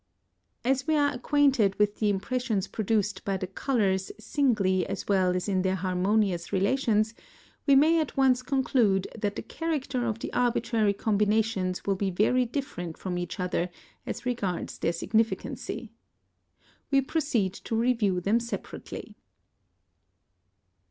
As we are acquainted with the impressions produced by the colours singly as well as in their harmonious relations, we may at once conclude that the character of the arbitrary combinations will be very different from each other as regards their significancy. We proceed to review them separately.